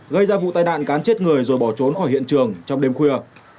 gây ra vụ tai nạn cán chết người rồi bỏ trốn khỏi hiện trường trong đêm khuya